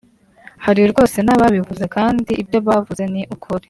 hari rwose n’ababivuze kandi ibyo bavuze ni ukuri